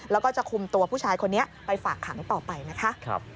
แล้วก็จะคุมตัวผู้ชายคนนี้ไปฝากขังต่อไปนะคะ